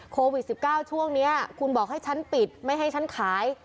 โควิด๑๙ช่วงนี้คุณบอกให้ฉันปิดไม่ให้ฉันขาย